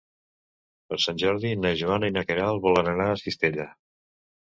Per Sant Jordi na Joana i na Queralt volen anar a Cistella.